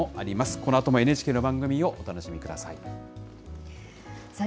このあともＮＨＫの番組をお楽しみください。